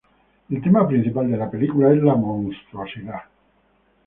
El tema principal de la película es la monstruosidad.